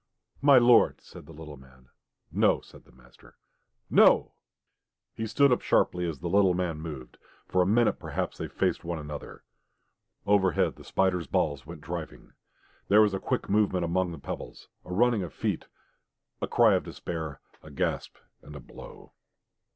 "My lord!" said the little man. "No," said the master. "NO!" He stood up sharply as the little man moved. For a minute perhaps they faced one another. Overhead the spiders' balls went driving. There was a quick movement among the pebbles; a running of feet, a cry of despair, a gasp and a blow....